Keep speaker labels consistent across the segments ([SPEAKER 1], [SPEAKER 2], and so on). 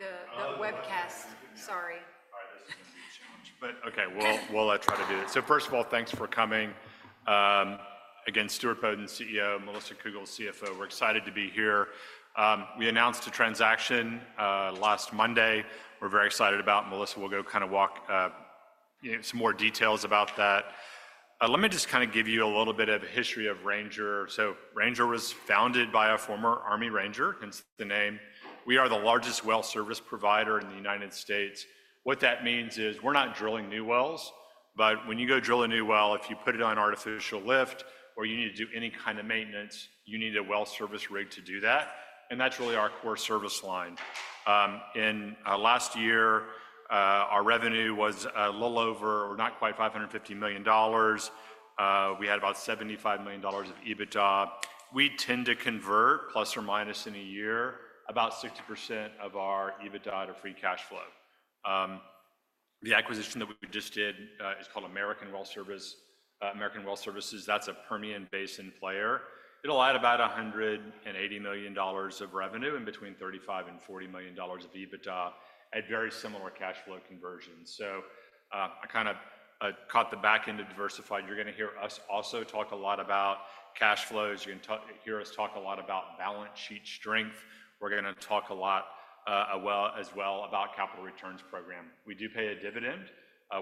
[SPEAKER 1] The webcast. Sorry.
[SPEAKER 2] All right. This is going to be a challenge, but okay, we'll try to do it. First of all, thanks for coming. Again, Stuart Bodden, CEO; Melissa Cougle, CFO. We're excited to be here. We announced a transaction last Monday. We're very excited about it. Melissa will go kind of walk through some more details about that. Let me just kind of give you a little bit of a history of Ranger. Ranger was founded by a former Army Ranger, hence the name. We are the largest well service provider in the United States. What that means is we're not drilling new wells, but when you go drill a new well, if you put it on artificial lift or you need to do any kind of maintenance, you need a Well Service Rig to do that. That's really our core service line. In last year, our revenue was a little over or not quite $550 million. We had about $75 million of EBITDA. We tend to convert, plus or minus in a year, about 60% of our EBITDA to Free Cash Flow. The acquisition that we just did is called American Well Services. That's a Permian-based player. It allowed about $180 million of revenue and between $35-$40 million of EBITDA at very similar Cash Flow conversions. I kind of caught the back end of diversified. You're going to hear us also talk a lot about Cash Flows. You're going to hear us talk a lot about Balance Sheet strength. We're going to talk a lot as well about Capital Returns Program. We do pay a dividend.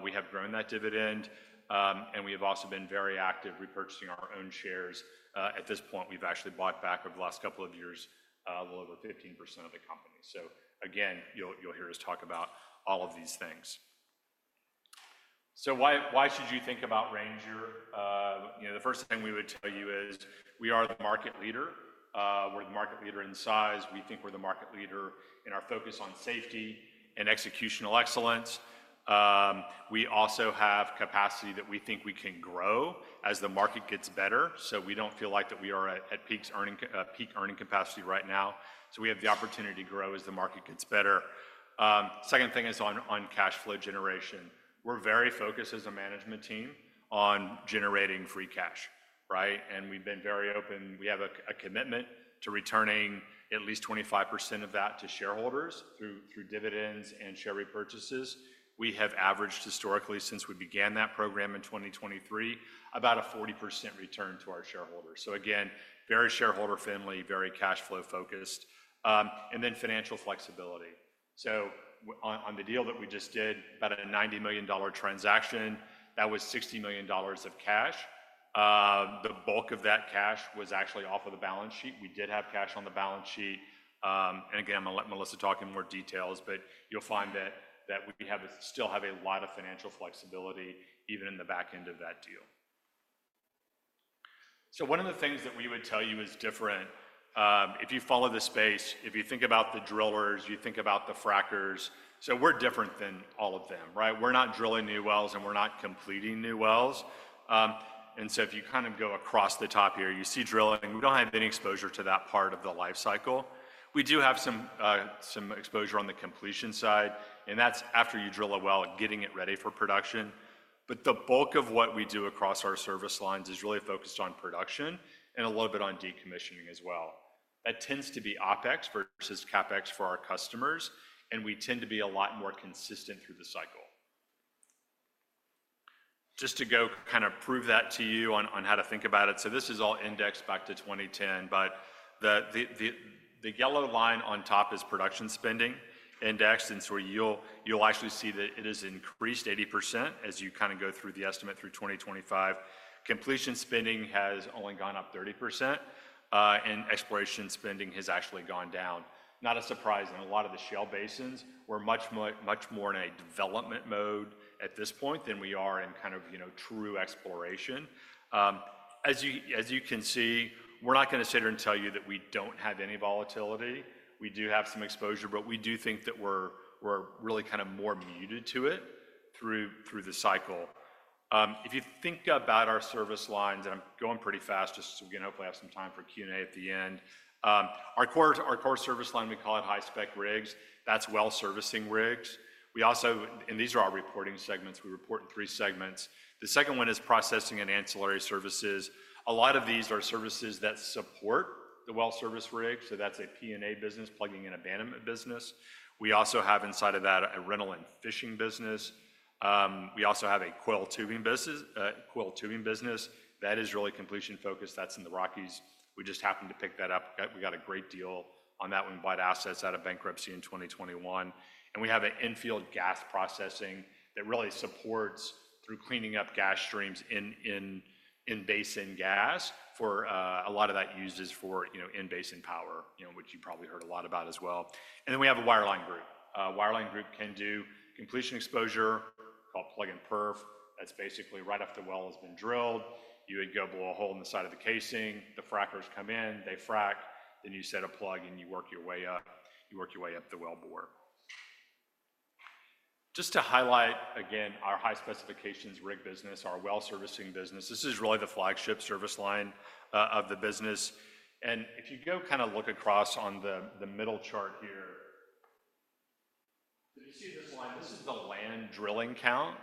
[SPEAKER 2] We have grown that dividend, and we have also been very active repurchasing our own shares. At this point, we've actually bought back over the last couple of years a little over 15% of the company. You'll hear us talk about all of these things. Why should you think about Ranger? The first thing we would tell you is we are the market leader. We're the market leader in size. We think we're the market leader in our focus on Safety and Executional Excellence. We also have capacity that we think we can grow as the market gets better. We don't feel like we are at Peak Earning Capacity right now. We have the opportunity to grow as the market gets better. The 2nd thing is on Cash Flow generation. We're very focused as a management team on generating free cash, right? We've been very open. We have a commitment to returning at least 25% of that to shareholders through dividends and share repurchases. We have averaged historically since we began that program in 2023 about a 40% return to our shareholders. Very shareholder-friendly, very Cash Flow focused. Financial Flexibility. On the deal that we just did, about a $90 million transaction, that was $60 million of cash. The bulk of that cash was actually off of the Balance Sheet. We did have cash on the Balance Sheet. I am going to let Melissa talk in more details, but you'll find that we still have a lot of Financial Flexibility even in the back end of that deal. One of the things that we would tell you is different. If you follow the space, if you think about the drillers, you think about the frackers. We're different than all of them, right? We're not drilling new wells and we're not completing new wells. If you kind of go across the top here, you see drilling. We don't have any exposure to that part of the life cycle. We do have some exposure on the completion side, and that's after you drill a well and getting it ready for production. The bulk of what we do across our service lines is really focused on production and a little bit on decommissioning as well. That tends to be OpEx versus CapEx for our customers, and we tend to be a lot more consistent through the cycle. Just to go kind of prove that to you on how to think about it. This is all indexed back to 2010, but the yellow line on top is production spending indexed. You'll actually see that it has increased 80% as you kind of go through the estimate through 2025. Completion spending has only gone up 30%, and exploration spending has actually gone down. Not a surprise. A lot of the shale basins were much more in a Development Mode at this point than we are in kind of true exploration. As you can see, we're not going to sit here and tell you that we don't have any volatility. We do have some exposure, but we do think that we're really kind of more muted to it through the cycle. If you think about our service lines, and I'm going pretty fast just so we can hopefully have some time for Q&A at the end. Our core service line, we call it High-spec Rigs. That's Well Servicing Rigs. These are our reporting segments. We report in three segments. The second one is processing and ancillary services. A lot of these are services that support the Well Service Rig. That's a P&A business, Plugging and Abandonment business. We also have inside of that a Rental and Fishing business. We also have a Coil Tubing business. That is really completion focused. That's in the Rockies. We just happened to pick that up. We got a great deal on that when we bought assets out of bankruptcy in 2021. We have an Infield Gas Processing that really supports through cleaning up gas streams in basin gas for a lot of that uses for in basin power, which you probably heard a lot about as well. We have a Wireline Group. Wireline Group can do completion exposure called Plug and Perf. That's basically right after the well has been drilled. You would go blow a hole in the side of the casing. The frackers come in, they frack, then you set a plug and you work your way up. You work your way up the well bore. Just to highlight, again, our High-spec Rigs business, our Well Servicing business. This is really the flagship service line of the business. If you go kind of look across on the middle chart here. You see this line. This is the Land Drilling Count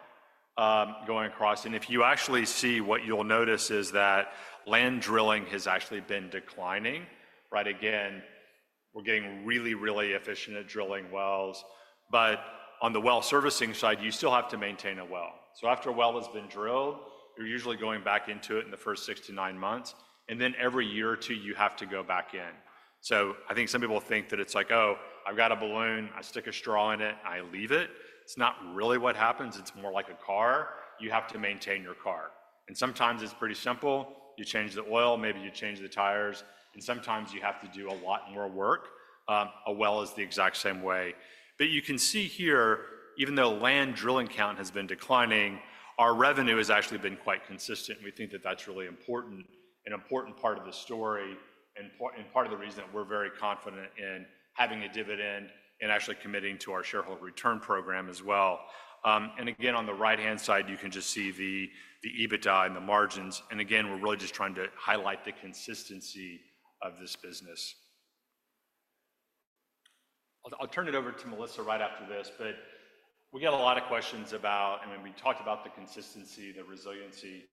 [SPEAKER 2] going across. If you actually see what you'll notice is that Land Drilling has actually been declining, right? Again, we're getting really, really efficient at drilling wells. On the Well Servicing side, you still have to maintain a well. After a well has been drilled, you're usually going back into it in the 1st six to nine months. Every year or two, you have to go back in. I think some people think that it's like, "Oh, I've got a balloon. I stick a straw in it. I leave it." It's not really what happens. It's more like a car. You have to maintain your car. Sometimes it's pretty simple. You change the oil, maybe you change the tires. Sometimes you have to do a lot more work. A well is the exact same way. You can see here, even though Land Drilling Count has been declining, our revenue has actually been quite consistent. We think that that's really important, an important part of the story, and part of the reason that we're very confident in having a dividend and actually committing to our shareholder return program as well. Again, on the right-hand side, you can just see the EBITDA and the margins. Again, we're really just trying to highlight the consistency of this business. I'll turn it over to Melissa right after this. We get a lot of questions about, I mean, we talked about the consistency, the resiliency.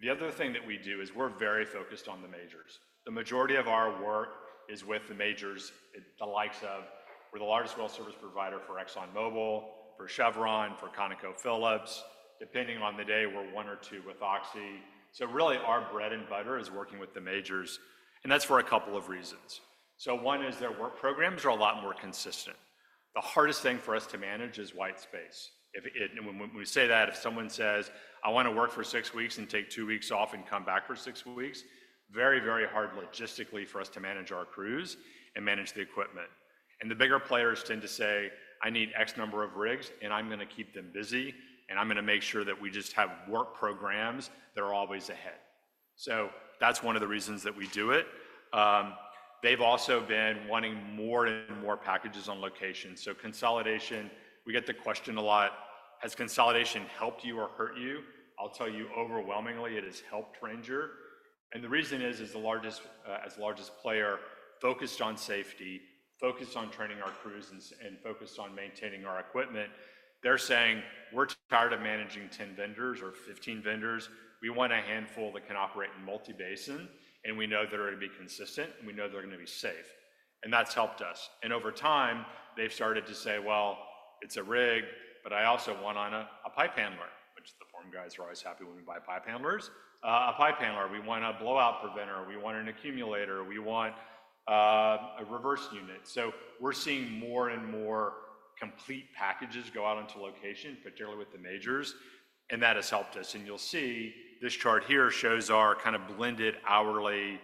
[SPEAKER 2] The other thing that we do is we're very focused on the majors. The majority of our work is with the majors, the likes of we're the largest Well Service provider for ExxonMobil, for Chevron, for ConocoPhillips. Depending on the day, we're one or two with Oxy. Really our Bread and Butter is working with the majors. That's for a couple of reasons. One is their work programs are a lot more consistent. The hardest thing for us to manage is White Space. When we say that, if someone says, "I want to work for six weeks and take two weeks off and come back for six weeks," very, very hard logistically for us to manage our crews and manage the equipment. The bigger players tend to say, "I need X number of rigs, and I'm going to keep them busy, and I'm going to make sure that we just have work programs that are always ahead." That is one of the reasons that we do it. They have also been wanting more and more packages on location. Consolidation, we get the question a lot. Has consolidation helped you or hurt you? I'll tell you overwhelmingly it has helped Ranger. The reason is, as the largest player, focused on safety, focused on training our crews, and focused on maintaining our equipment, they're saying, "We're tired of managing 10 vendors or 15 vendors. We want a handful that can operate in multi-basin, and we know that they're going to be consistent, and we know they're going to be safe." That has helped us. Over time, they've started to say, "It's a rig, but I also want a pipe handler," which the form guys are always happy when we buy pipe handlers, "a pipe handler. We want a blowout preventer. We want an accumulator. We want a reverse unit." We are seeing more and more complete packages go out into location, particularly with the majors. That has helped us. You will see this chart here shows our kind of blended hourly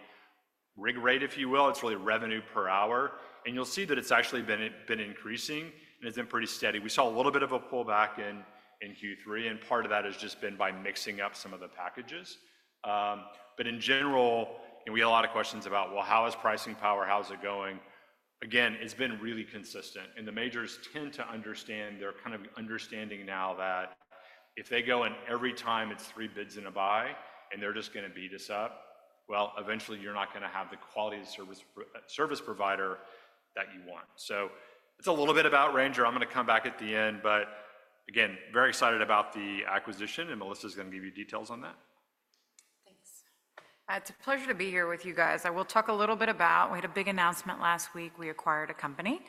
[SPEAKER 2] rig rate, if you will. It's really Revenue Per Hour. You'll see that it's actually been increasing, and it's been pretty steady. We saw a little bit of a pullback in Q3, and part of that has just been by mixing up some of the packages. In general, we had a lot of questions about, "Well, how is pricing power? How's it going?" Again, it's been really consistent. The majors tend to understand they're kind of understanding now that if they go in every time, it's three bids and a buy, and they're just going to beat us up, eventually you're not going to have the quality of service provider that you want. It's a little bit about Ranger. I'm going to come back at the end, but again, very excited about the acquisition, and Melissa's going to give you details on that.
[SPEAKER 3] Thanks. It's a pleasure to be here with you guys. I will talk a little bit about we had a big announcement last week. We acquired a company.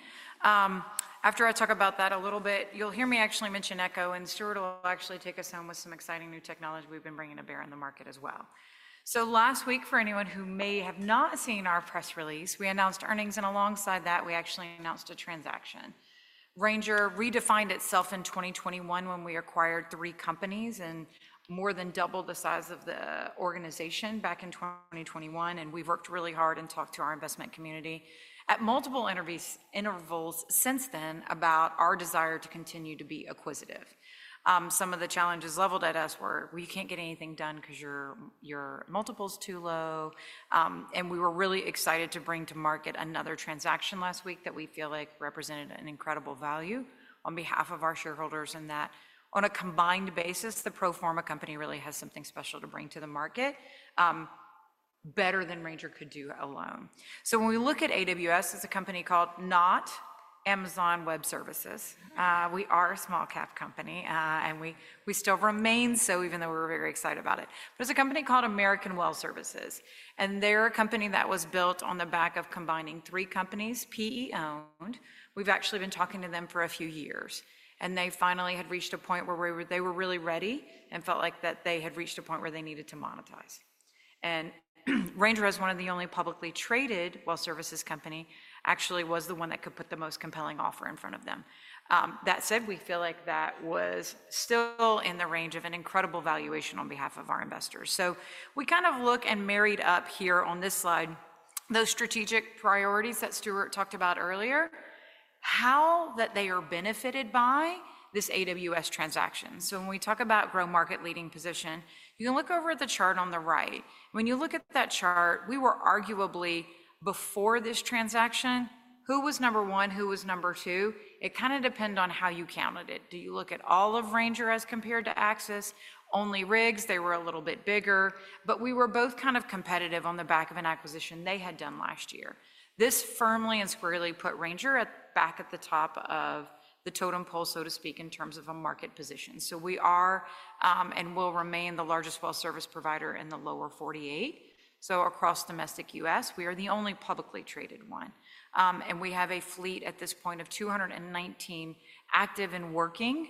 [SPEAKER 3] After I talk about that a little bit, you'll hear me actually mention Echo, and Stuart will actually take us home with some exciting new technology we've been bringing to bear in the market as well. Last week, for anyone who may have not seen our Press Release, we announced earnings, and alongside that, we actually announced a transaction. Ranger redefined itself in 2021 when we acquired three companies and more than doubled the size of the organization back in 2021. We have worked really hard and talked to our Investment Community at multiple intervals since then about our desire to continue to be acquisitive. Some of the challenges leveled at us were, "We can't get anything done because your multiple's too low." We were really excited to bring to market another transaction last week that we feel like represented an incredible value on behalf of our shareholders in that on a combined basis, the pro forma company really has something special to bring to the market better than Ranger could do alone. When we look at AWS, it's a company called, not Amazon Web Services. We are a small cap company, and we still remain, so even though we're very excited about it. It's a company called American Well Services. They're a company that was built on the back of combining three companies, PE owned. We've actually been talking to them for a few years. They finally had reached a point where they were really ready and felt like that they had reached a point where they needed to monetize. Ranger is one of the only publicly traded well services company, actually was the one that could put the most compelling offer in front of them. That said, we feel like that was still in the range of an incredible valuation on behalf of our investors. We kind of look and married up here on this slide those strategic priorities that Stuart talked about earlier, how that they are benefited by this AWS transaction. When we talk about grow market leading position, you can look over at the chart on the right. When you look at that chart, we were arguably before this transaction. Who was number one? Who was number two? It kind of depends on how you counted it. Do you look at all of Ranger as compared to Axis? Only rigs. They were a little bit bigger. We were both kind of competitive on the back of an acquisition they had done last year. This firmly and squarely put Ranger back at the top of the Totem Pole, so to speak, in terms of a market position. We are and will remain the largest well service provider in the Lower 48. Across domestic U.S., we are the only publicly traded one. We have a fleet at this point of 219 active and working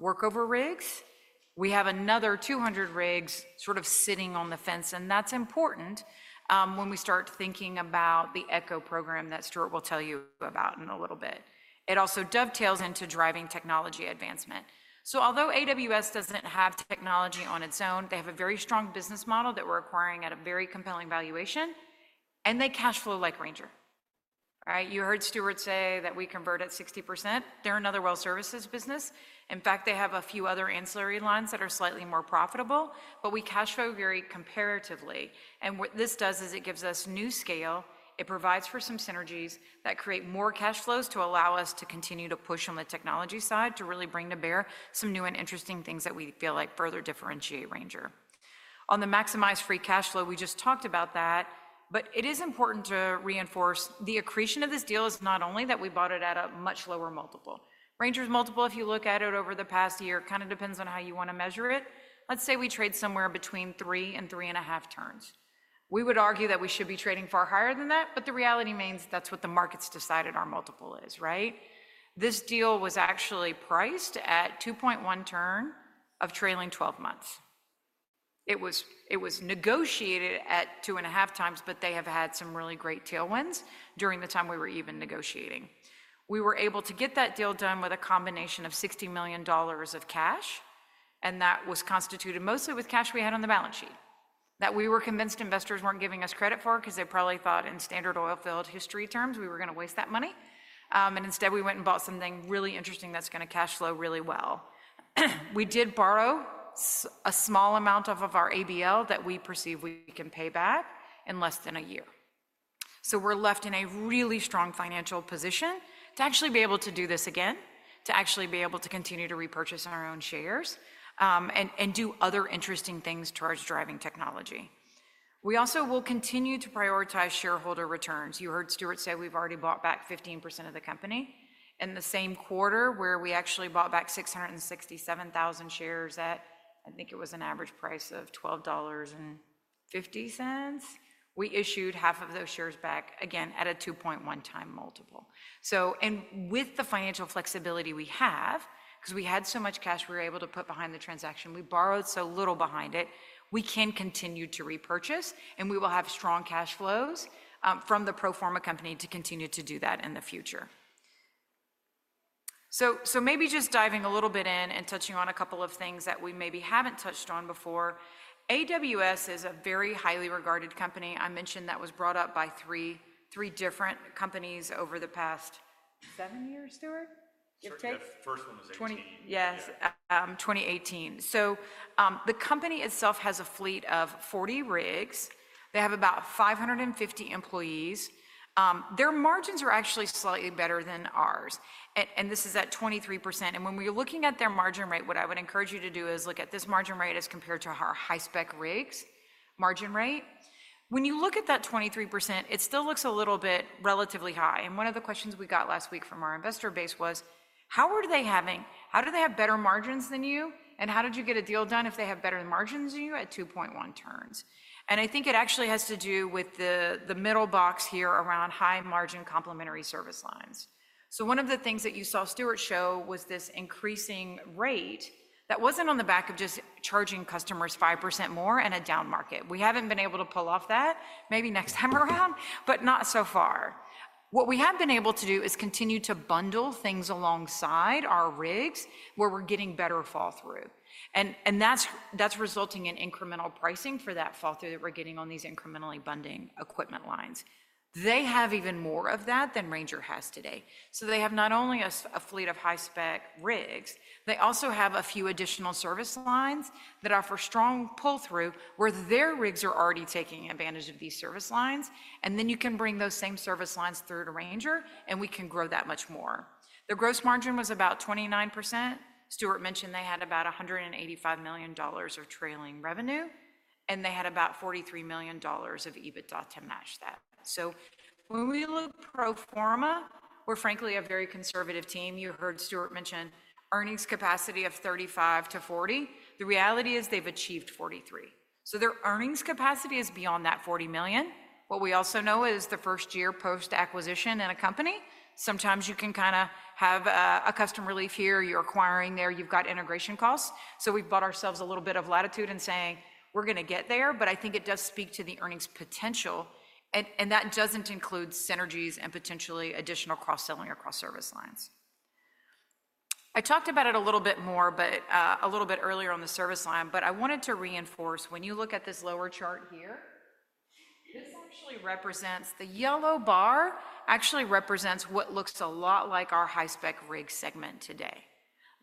[SPEAKER 3] workover rigs. We have another 200 rigs sort of sitting on the fence. That is important when we start thinking about the Echo program that Stuart will tell you about in a little bit. It also dovetails into driving technology advancement. Although AWS does not have technology on its own, they have a very strong business model that we are acquiring at a very compelling valuation. They Cash Flow like Ranger, right? You heard Stuart say that we convert at 60%. They are another Well Services business. In fact, they have a few other ancillary lines that are slightly more profitable, but we Cash Flow very comparatively. What this does is it gives us new scale. It provides for some synergies that create more Cash Flows to allow us to continue to push on the technology side to really bring to bear some new and interesting things that we feel like further differentiate Ranger. On the maximized Free Cash Flow, we just talked about that, but it is important to reinforce the accretion of this deal is not only that we bought it at a much lower multiple. Ranger's multiple, if you look at it over the past year, kind of depends on how you want to measure it. Let's say we trade somewhere between three and 3.5 turns. We would argue that we should be trading far higher than that, but the reality means that's what the market's decided our multiple is, right? This deal was actually priced at 2.1 turn of trailing 12 months. It was negotiated at 2.5 times, but they have had some really great tailwinds during the time we were even negotiating. We were able to get that deal done with a combination of $60 million of cash, and that was constituted mostly with cash we had on the Balance Sheet that we were convinced investors were not giving us credit for because they probably thought in Standard Oil Field history terms we were going to waste that money. Instead, we went and bought something really interesting that is going to Cash Flow really well. We did borrow a small amount of our ABL that we perceive we can pay back in less than a year. We are left in a really strong financial position to actually be able to do this again, to actually be able to continue to repurchase our own shares and do other interesting things towards driving technology. We also will continue to prioritize shareholder returns. You heard Stuart say we have already bought back 15% of the company. In the same quarter where we actually bought back 667,000 shares at, I think it was an average price of $12.50, we issued half of those shares back again at a 2.1x multiple. With the Financial Flexibility we have, because we had so much cash we were able to put behind the transaction, we borrowed so little behind it, we can continue to repurchase, and we will have strong Cash Flows from the pro forma company to continue to do that in the future. Maybe just diving a little bit in and touching on a couple of things that we maybe have not touched on before. AWS is a very highly regarded company. I mentioned that was brought up by three different companies over the past seven years, Stuart?
[SPEAKER 2] The first one was 2018.
[SPEAKER 3] Yes, 2018. The company itself has a fleet of 40 rigs. They have about 550 employees. Their margins are actually slightly better than ours. This is at 23%. When we're looking at their margin rate, what I would encourage you to do is look at this margin rate as compared to our High-spec Rigs margin rate. When you look at that 23%, it still looks a little bit relatively high. One of the questions we got last week from our investor base was, how are they having, how do they have better margins than you? How did you get a deal done if they have better margins than you at 2.1 turns? I think it actually has to do with the Middle Box here around high margin complementary service lines. One of the things that you saw Stuart show was this increasing rate that was not on the back of just charging customers 5% more in a down market. We have not been able to pull off that, maybe next time around, but not so far. What we have been able to do is continue to bundle things alongside our rigs where we are getting better fall through. That is resulting in incremental pricing for that fall through that we are getting on these incrementally bundling equipment lines. They have even more of that than Ranger has today. They have not only a fleet of High-spec Rigs, they also have a few additional service lines that offer strong pull-through where their rigs are already taking advantage of these service lines. You can bring those same service lines through to Ranger, and we can grow that much more. The gross margin was about 29%. Stuart mentioned they had about $185 million of trailing revenue, and they had about $43 million of EBITDA to match that. When we look pro forma, we're frankly a very conservative team. You heard Stuart mention earnings capacity of 35-40. The reality is they've achieved 43. Their earnings capacity is beyond that $40 million. What we also know is the 1st year post-acquisition in a company, sometimes you can kind of have a customer leave here, you're acquiring there, you've got integration costs. We've bought ourselves a little bit of latitude in saying, "We're going to get there," but I think it does speak to the earnings potential. That doesn't include synergies and potentially additional Cross-selling or Cross-service lines. I talked about it a little bit more, but a little bit earlier on the service line, but I wanted to reinforce when you look at this lower chart here, this actually represents the yellow bar actually represents what looks a lot like our High-spec Rig segment today.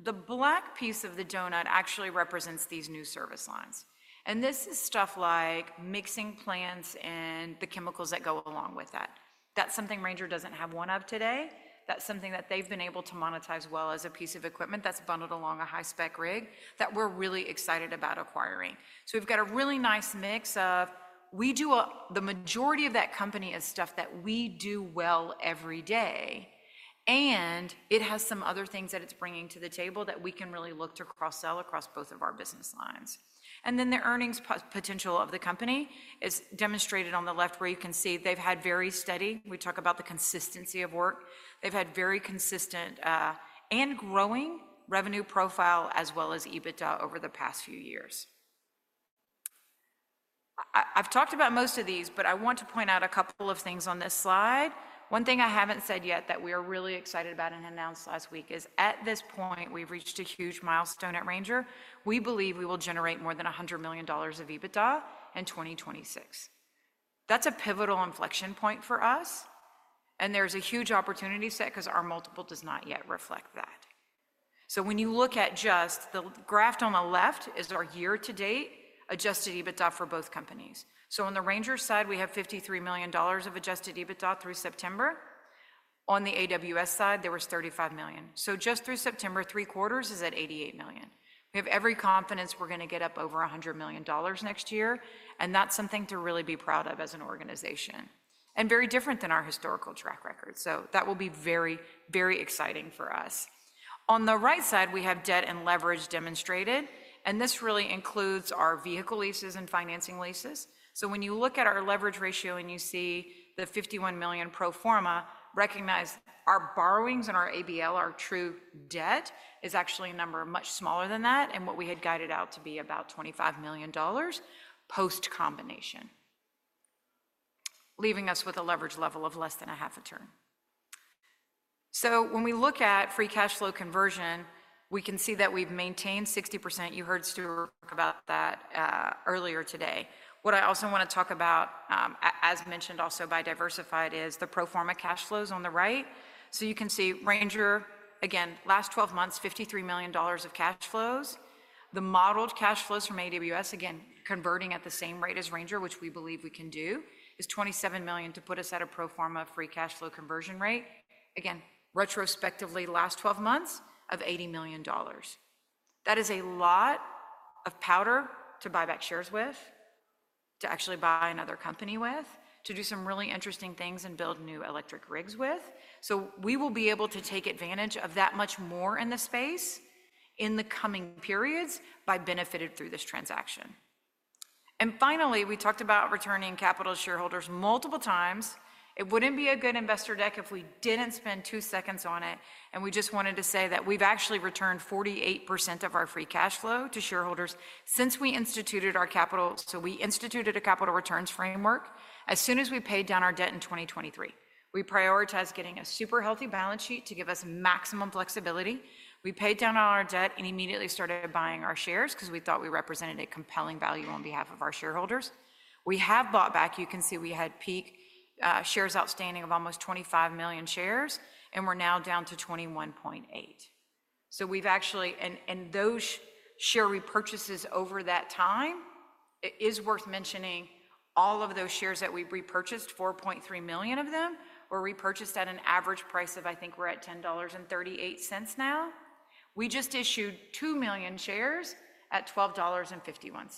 [SPEAKER 3] The black piece of the donut actually represents these new service lines. This is stuff like Mixing Plants and the chemicals that go along with that. That's something Ranger doesn't have one of today. That's something that they've been able to monetize well as a piece of equipment that's bundled along a High-spec Rig that we're really excited about acquiring. We've got a really nice mix of we do the majority of that company is stuff that we do well every day. It has some other things that it's bringing to the table that we can really look to Cross-sell across both of our business lines. The earnings potential of the company is demonstrated on the left where you can see they've had very steady—we talk about the consistency of work. They've had very consistent and growing revenue profile as well as EBITDA over the past few years. I've talked about most of these, but I want to point out a couple of things on this slide. One thing I haven't said yet that we are really excited about and announced last week is at this point, we've reached a huge milestone at Ranger. We believe we will generate more than $100 million of EBITDA in 2026. That's a pivotal inflection point for us. There's a huge opportunity set because our multiple does not yet reflect that. When you look at just the graph on the left, it is our year-to-date adjusted EBITDA for both companies. On the Ranger side, we have $53 million of adjusted EBITDA through September. On the AWS side, there was $35 million. Just through September, three quarters is at $88 million. We have every confidence we are going to get up over $100 million next year. That is something to really be proud of as an organization and very different than our historical track record. That will be very, very exciting for us. On the right side, we have Debt and Leverage demonstrated. This really includes our vehicle leases and financing leases. When you look at our leverage ratio and you see the $51 million pro forma, recognize our borrowings and our ABL, our true debt is actually a number much smaller than that and what we had guided out to be about $25 million post-combination, leaving us with a leverage level of less than a half a turn. When we look at Free Cash Flow conversion, we can see that we've maintained 60%. You heard Stuart talk about that earlier today. What I also want to talk about, as mentioned also by Diversified, is the pro forma Cash Flows on the right. You can see Ranger, again, last 12 months, $53 million of Cash Flows. The Modeled Cash Flows from AWS, again, converting at the same rate as Ranger, which we believe we can do, is $27 million to put us at a pro forma Free Cash Flow conversion rate. Again, retrospectively, last 12 months of $80 million. That is a lot of powder to buy back shares with, to actually buy another company with, to do some really interesting things and build new Electric Rigs with. We will be able to take advantage of that much more in the space in the coming periods by benefiting through this transaction. Finally, we talked about returning capital to shareholders multiple times. It would not be a good investor deck if we did not spend two seconds on it. We just wanted to say that we have actually returned 48% of our Free Cash Flow to shareholders since we instituted our capital. We instituted a Capital Returns Framework as soon as we paid down our debt in 2023. We prioritized getting a super healthy Balance Sheet to give us maximum flexibility. We paid down on our debt and immediately started buying our shares because we thought we represented a compelling value on behalf of our shareholders. We have bought back. You can see we had peak shares outstanding of almost 25 million shares, and we're now down to 21.8. We have actually, and those share repurchases over that time, it is worth mentioning all of those shares that we've repurchased, 4.3 million of them were repurchased at an average price of, I think we're at $10.38 now. We just issued 2 million shares at $12.51.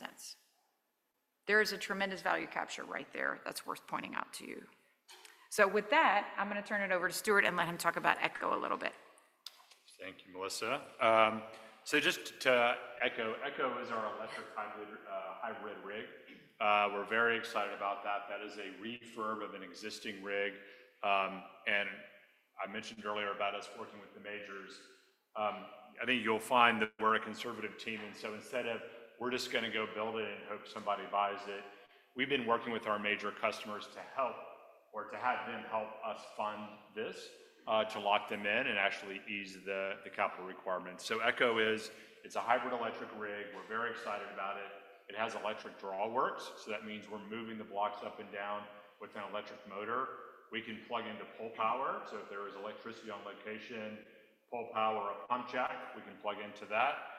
[SPEAKER 3] There is a tremendous value capture right there that's worth pointing out to you. With that, I'm going to turn it over to Stuart and let him talk about Echo a little bit.
[SPEAKER 2] Thank you, Melissa. Just to echo, Echo is our Electric Hybrid Rig. We're very excited about that. That is a refurb of an existing rig. I mentioned earlier about us working with the majors. I think you'll find that we're a conservative team. Instead of just going to build it and hope somebody buys it, we've been working with our major customers to have them help us fund this to lock them in and actually ease the capital requirements. Echo is a Hybrid Electric Rig. We're very excited about it. It has Electric Drawworks. That means we're moving the blocks up and down with an Electric Motor. We can plug into Pole Power. If there is electricity on location, Pole Power or pump check, we can plug into that.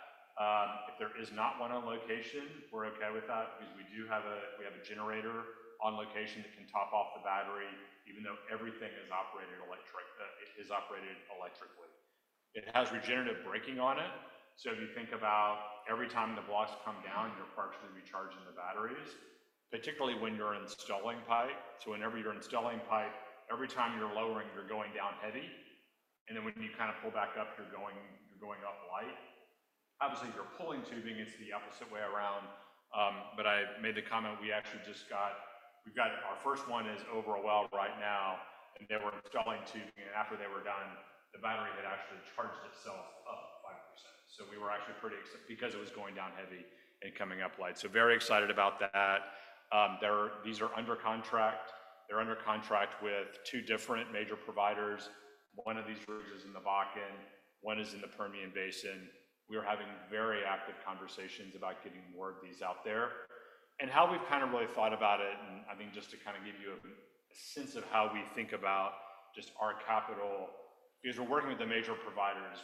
[SPEAKER 2] If there is not one on location, we're okay with that because we do have a generator on location that can top off the battery even though everything is operated electrically. It has regenerative braking on it. If you think about every time the blocks come down, you're partially recharging the batteries, particularly when you're installing pipe. Whenever you're installing pipe, every time you're lowering, you're going down heavy. When you kind of pull back up, you're going up light. Obviously, if you're pulling tubing, it's the opposite way around. I made the comment we actually just got we've got our first one is over a well right now. They were installing tubing. After they were done, the battery had actually charged itself up 5%. We were actually pretty excited because it was going down heavy and coming up light. Very excited about that. These are under contract. They're under contract with two different major providers. One of these rigs is in the Bakken. One is in the Permian Basin. We are having very active conversations about getting more of these out there. How we've kind of really thought about it, and I think just to kind of give you a sense of how we think about just our capital, because we're working with the major providers,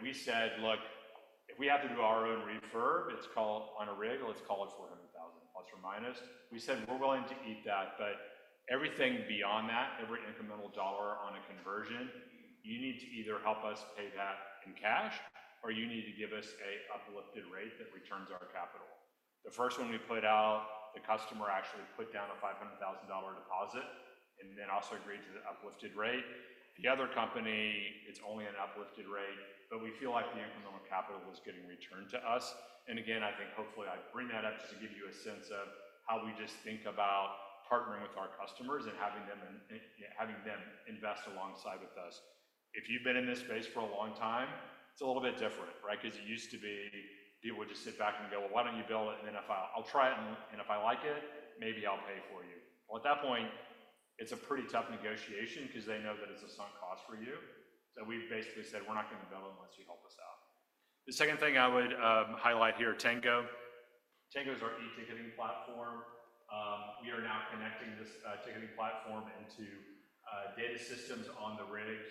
[SPEAKER 2] we said, "Look, if we have to do our own refurb, it's called on a rig, let's call it $400,000±." We said, "We're willing to eat that, but everything beyond that, every incremental dollar on a conversion, you need to either help us pay that in cash or you need to give us an uplifted rate that returns our capital." The first one we put out, the customer actually put down a $500,000 deposit and then also agreed to the Uplifted Rate. The other company, it's only an Uplifted Rate, but we feel like the incremental capital was getting returned to us. I think hopefully I bring that up just to give you a sense of how we just think about partnering with our customers and having them invest alongside with us. If you've been in this space for a long time, it's a little bit different, right? Because it used to be people would just sit back and go, "Why don't you build it?" If I'll try it and if I like it, maybe I'll pay for you. At that point, it's a pretty tough negotiation because they know that it's a sunk cost for you. We've basically said, "We're not going to build it unless you help us out." The second thing I would highlight here, Tango. Tango is our E-ticketing platform. We are now connecting this ticketing platform into data systems on the rigs.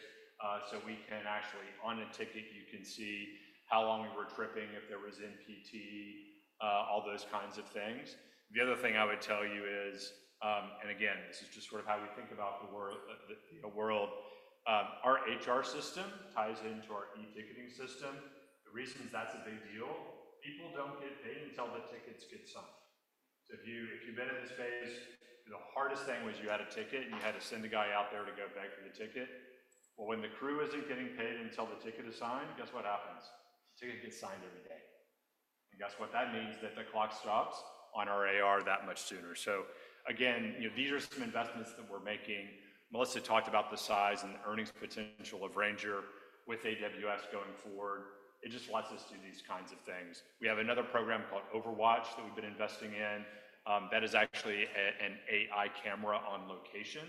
[SPEAKER 2] We can actually, on a ticket, you can see how long we were tripping, if there was NPT, all those kinds of things. The other thing I would tell you is, and again, this is just sort of how we think about the world, our HR system ties into our E-ticketing system. The reason is that's a big deal. People don't get paid until the tickets get signed. If you've been in this space, the hardest thing was you had a ticket and you had to send a guy out there to go beg for the ticket. When the crew isn't getting paid until the ticket is signed, guess what happens? The ticket gets signed every day. Guess what that means? That the clock stops on our AR that much sooner. Again, these are some investments that we're making. Melissa talked about the size and the earnings potential of Ranger with AWS going forward. It just lets us do these kinds of things. We have another program called Overwatch that we've been investing in. That is actually an AI camera on location.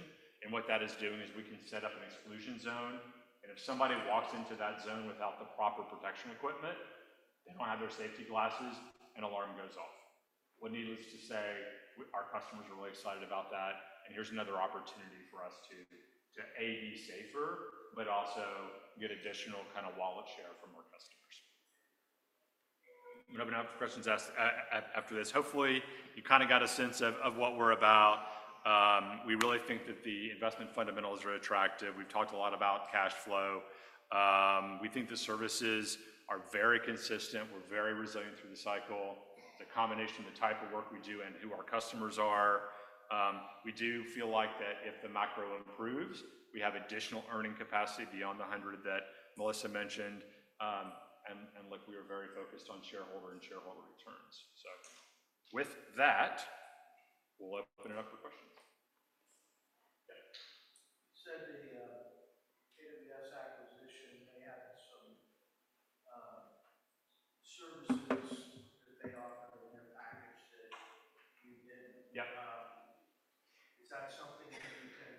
[SPEAKER 2] What that is doing is we can set up an Exclusion Zone. If somebody walks into that zone without the Proper Protection Equipment, they don't have their Safety Glasses, an alarm goes off. Needless to say, our customers are really excited about that. Here's another opportunity for us to, A, be safer, but also get additional kind of wallet share from our customers. We're opening up for questions after this. Hopefully, you kind of got a sense of what we're about. We really think that the investment fundamentals are attractive. We've talked a lot about Cash Flow. We think the services are very consistent. We're very resilient through the cycle. The combination, the type of work we do and who our customers are. We do feel like that if the macro improves, we have additional earning capacity beyond the 100 that Melissa mentioned. We are very focused on shareholder and shareholder returns. With that, we'll open it up for questions.
[SPEAKER 4] You said the AWS acquisition, they had some services that they offered in their package that you didn't. Is that something that you can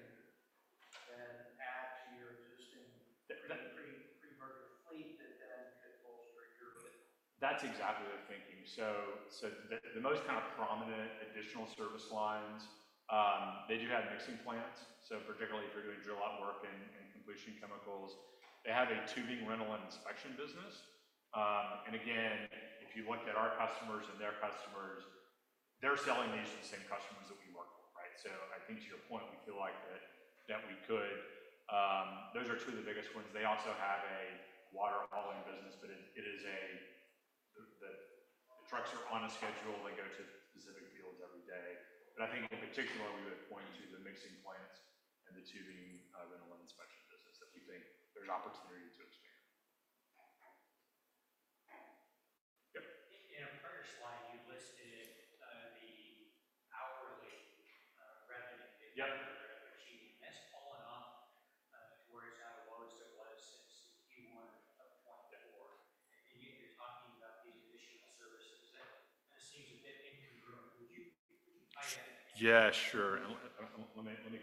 [SPEAKER 4] then add to your existing Pre-merger Fleet that then could bolster your?
[SPEAKER 2] That's exactly what I'm thinking. The most kind of prominent additional service lines, they do have Mixing Plants. Particularly if you're doing drill-out work and completion chemicals, they have a tubing, rental, and inspection business. If you looked at our customers and their customers, they're selling these to the same customers that we work with, right? I think to your point, we feel like those are two of the biggest ones. They also have a water hauling business, but the trucks are on a schedule. They go to specific fields every day. I think in particular, we would point to the Mixing Plants and the tubing, rental, and inspection business that we think there's opportunity to expand.
[SPEAKER 4] In a prior slide, you listed the hourly revenue that you're achieving. That's fallen off towards how low as it was since Q1 of 2024. You are talking about the additional services. That seems a bit incongruent. Would you tie that in again?
[SPEAKER 2] Yeah, sure. Let me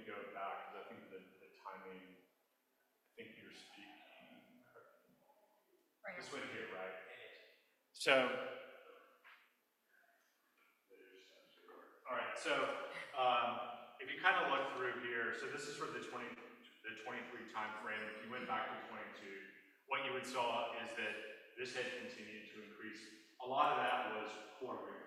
[SPEAKER 2] go back because I think the timing, I think you're speaking, this would hit right.
[SPEAKER 4] It is.
[SPEAKER 2] So.
[SPEAKER 4] There you go.
[SPEAKER 2] All right. If you kind of look through here, this is for the 2023 timeframe. If you went back to 2022, what you would saw is that this had continued to increase. A lot of that was quarterly.